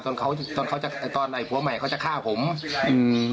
ตอนเขาตอนเขาจะไอ้ตอนไอ้ผัวใหม่เขาจะฆ่าผมอืม